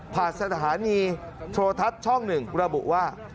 สถานีโทรทัศน์ช่อง๑ระบุว่า